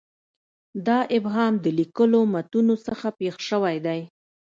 دا ابهام د لیکلو متونو څخه پېښ شوی دی.